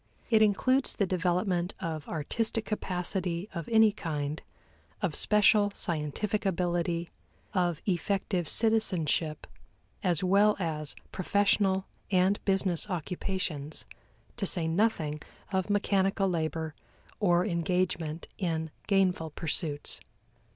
It includes the development of artistic capacity of any kind, of special scientific ability, of effective citizenship, as well as professional and business occupations, to say nothing of mechanical labor or engagement in gainful pursuits.